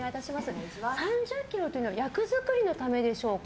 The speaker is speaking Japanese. ３０ｋｇというのは役作りのためでしょうか？